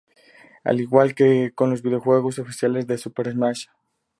Al igual que con los videojuegos oficiales de "Super Smash Bros.